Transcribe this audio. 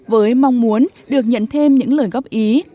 với mong muốn được nhận thêm những lời góp ý